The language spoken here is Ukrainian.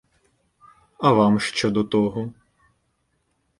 А вам що до того?